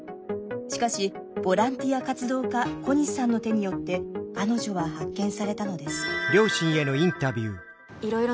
しかしボランティア活動家小西さんの手によって彼女は発見されたのです」。